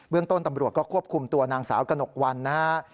เรื่องต้นตำรวจก็ควบคุมตัวนางสาวกระหนกวันนะฮะ